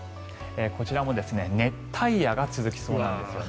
こちらも熱帯夜が続きそうなんですよね。